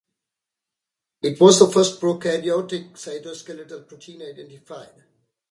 It was the first prokaryotic cytoskeletal protein identified.